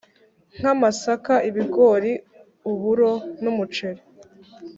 nk’amasaka, ibigori, uburo, numuceri